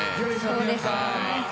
そうですね。